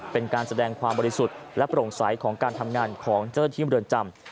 เป็นการแสดงความบริสุทธิ์และโปร่งใสของการทำงานของเจ้าหน้าที่เมืองจำ